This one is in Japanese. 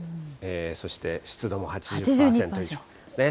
そして湿度も８０％以上ですね。